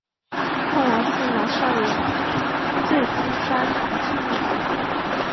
后来司马昭以罪诛杀成济一族。